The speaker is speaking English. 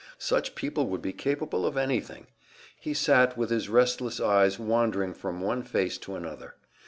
Such people would be capable of anything! He sat, with his restless eyes wandering from one face to another.